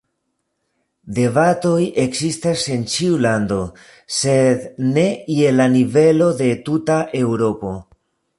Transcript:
Debatoj ekzistas en ĉiu lando, sed ne je la nivelo de tuta Eŭropo.